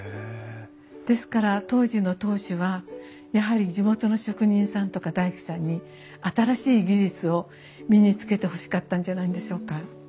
ですから当時の当主はやはり地元の職人さんとか大工さんに新しい技術を身につけてほしかったんじゃないんでしょうか。